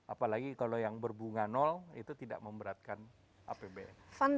apalagi kalau yang berbunga nol itu tidak memberatkan apbn